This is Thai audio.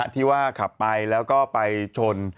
ที่ว่าขับไปแล้วก็ไปชน